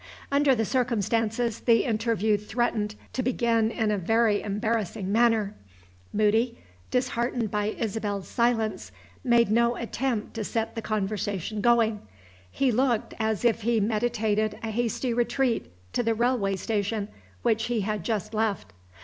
Under the circumstances, the interview threatened to begin in a very embarrassing manner. Moody, disheartened by Isabel's silence, made no attempt to set the conversation going; he looked as if he meditated a hasty retreat to the railway station which he had just left.